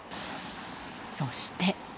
そして。